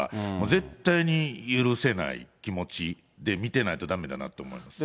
絶対に許せない気持ちで見てないとだめだなと思います。